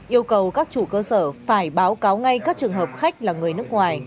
yêu cầu các chủ cơ sở phải báo cáo ngay các trường hợp khách là người nước ngoài